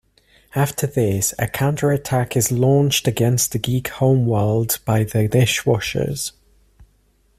After this, a counterattack is launched against the Geek homeworld by the Dishwashers.